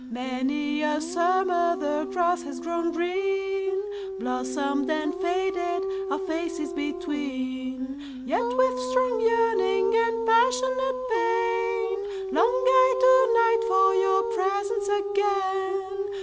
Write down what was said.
Many a summer the grass has grown green, Blossomed and faded, our faces between:Yet, with strong yearning and passionate pain, Long I to night for your presence again.